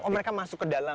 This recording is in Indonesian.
oh mereka masuk ke dalam